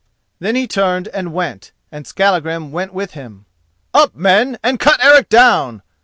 Then he turned and went, and Skallagrim went with him. "Up, men, and cut Eric down!"